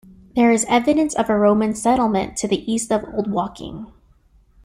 There is evidence of a Roman settlement to the east of Old Woking.